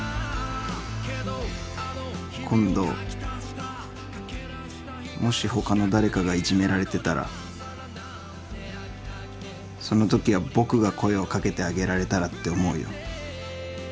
今度もし他の誰かがいじめられてたらそのときは僕が声を掛けてあげられたらって思うよ。